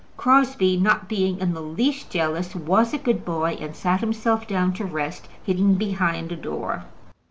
Crosbie, not being in the least jealous, was a good boy, and sat himself down to rest, hidden behind a door.